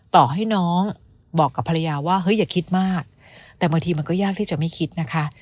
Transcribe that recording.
ต่อให้น้องบอกกับภรรยาว่าเฮ้ยอย่าคิดมากแต่บางทีมันก็ยากที่จะไม่คิดนะคะ